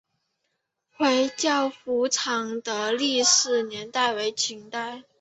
回教坟场的历史年代为清代。